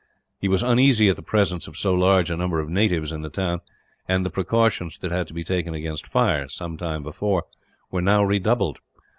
He was uneasy at the presence of so large a number of natives in the town, and the precautions that had been taken against fire, some time before, were now redoubled.